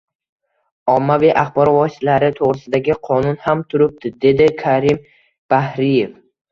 «Ommaviy axborot vositalari to‘g‘risida»gi qonun ham turibdi», – dedi Karim Bahriyev.